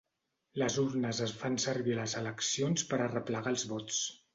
Les urnes es fan servir a les eleccions per arreplegar els vots.